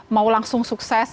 mau langsung sukses